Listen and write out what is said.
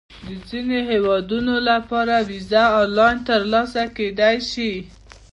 د ځینو هیوادونو لپاره ویزه آنلاین ترلاسه کېدای شي.